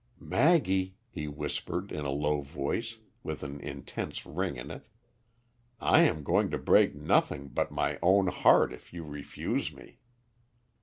"Maggie," he whispered, in a low voice, with an intense ring in it, "I am going to break nothing but my own heart if you refuse me."